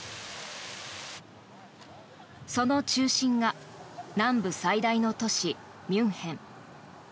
その中心が南部最大の都市ミュンヘン。